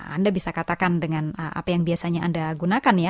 anda bisa katakan dengan apa yang biasanya anda gunakan ya